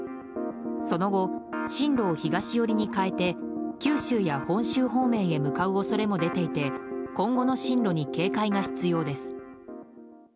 その後、進路を東寄りに変えて九州や本州方面へ向かう恐れも出ていて今後の進路に警戒が必要です。